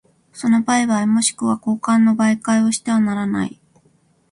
その売買若しくは交換の媒介をしてはならない。